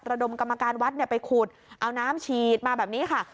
ระดมกรรมการวัดไปขุดเอาน้ำฉีดมาแบบนี้ค่ะ